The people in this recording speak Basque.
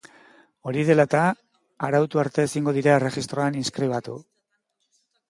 Hori dela eta, arautu arte ezingo dira erregistroan inskribatu.